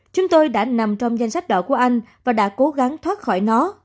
chúng tôi đã nằm trong danh sách đỏ của anh và đã cố gắng thoát khỏi nó